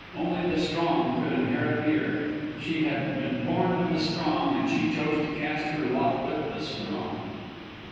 Only the strong could inherit the earth. She had been born of the strong, and she chose to cast her lot with the strong.